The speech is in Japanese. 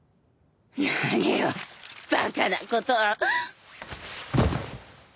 何をバカなことを。